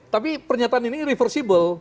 tapi pernyataan ini irreversible